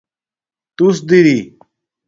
توس دری